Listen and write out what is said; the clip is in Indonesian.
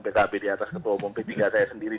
ptab di atas ketua bum p tiga saya sendiri